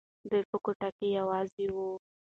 دی په کوټه کې یوازې و.